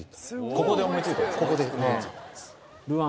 ここで思い付いた。